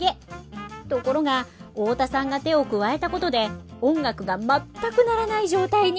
ところが太田さんが手を加えたことで音楽が全く鳴らない状態に。